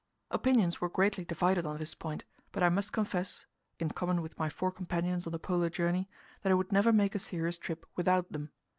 Opinions were greatly divided on this point; but I must confess in common with my four companions on the Polar journey that I would never make a serious trip without them.